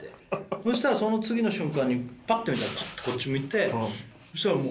そしたらその次の瞬間にパッて見たらパッとこっち向いてそしたらもう。